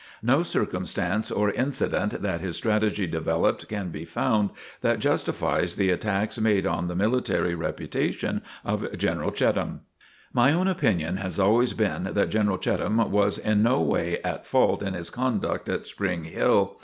No circumstance or incident that his strategy developed can be found that justifies [the] attacks [made] on the military reputation of General Cheatham." My own opinion has always been that General Cheatham was in no way at fault in his conduct at Spring Hill.